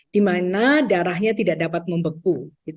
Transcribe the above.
dimana darahnya tidak dapat membeku